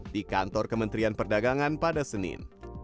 di kantor kementerian perdagangan pada senin